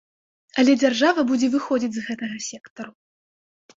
Але дзяржава будзе выходзіць з гэтага сектару.